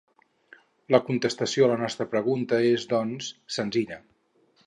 La contestació a la nostra pregunta és, doncs, senzilla.